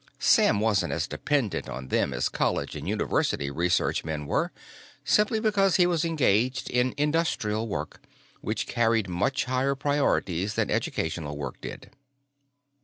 Sam wasn't as dependent on them as college and university research men were, simply because he was engaged in industrial work, which carried much higher priorities than educational work did.